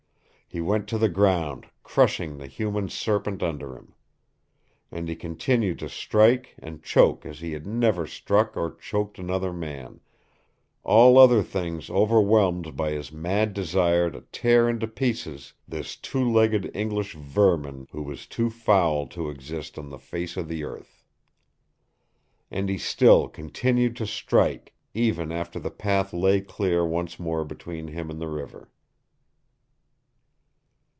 He went to the ground, crushing the human serpent under him. And he continued to strike and choke as he had never struck or choked another man, all other things overwhelmed by his mad desire to tear into pieces this two legged English vermin who was too foul to exist on the face of the earth. And he still continued to strike even after the path lay clear once more between him and the river.